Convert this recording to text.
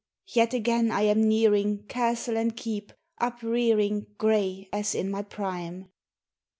Yet again I am nearing Castle and keep, uprearing Gray, as in my prime.